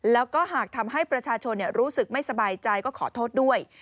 แล้วก็หากทำให้ประชาชนรู้สึกไม่สบายใจก็ขอโทษด้วย